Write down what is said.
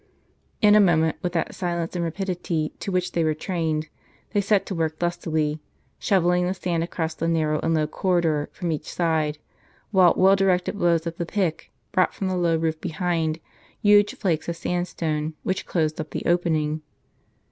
In a moment, with that silence and rapidity to which they w^ere trained, they set to work lustily, shovelling the sand across the narrow and low corridor from each side, while well directed blows of the pick brought from the low^ roof behind, huge flakes of sandstone, which closed up the opening.